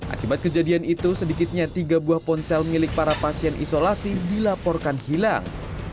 akibat kejadian itu sedikitnya tiga buah ponsel milik para pasien isolasi dilaporkan hilang